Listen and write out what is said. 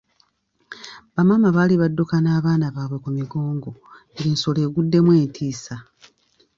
Bamaama baali badduka n'abaana baabwe ku migongo ng'ensolo eguddemu entiisa.